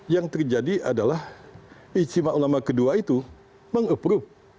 yang terjadi adalah ijtima ulama kedua itu meng approve